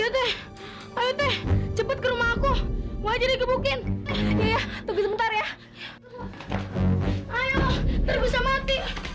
cepet cepet cepet nanti keburu dibangun bidang tak buat